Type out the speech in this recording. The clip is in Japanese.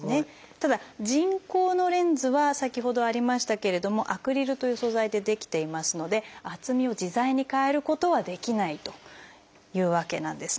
ただ人工のレンズは先ほどありましたけれどもアクリルという素材で出来ていますので厚みを自在に変えることはできないというわけなんですね。